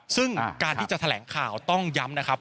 ซึ่งการที่จะแถลงข่าวต้องย้ำนะครับ